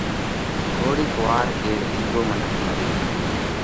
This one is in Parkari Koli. ٿوڙِي وار ڪيڙ ٻِيزو منک مري ڳيو۔